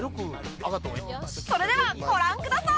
それではご覧ください！